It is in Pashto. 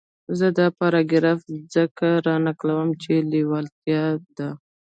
زه دا پاراګراف ځکه را نقلوم چې لېوالتیا ده.